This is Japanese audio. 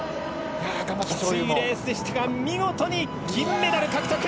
きついレースでしたが見事に銀メダル獲得。